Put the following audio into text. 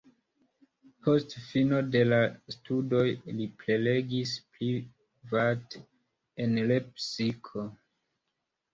Post fino de la studoj li prelegis private en Lepsiko.